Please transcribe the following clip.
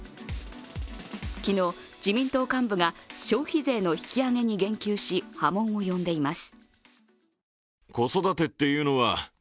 昨日、自民党幹部が消費税の引き上げに言及し、波紋を呼んでいます。